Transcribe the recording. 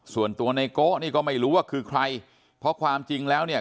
ส่วนตัวในโกะนี่ก็ไม่รู้ว่าคือใครเพราะความจริงแล้วเนี่ย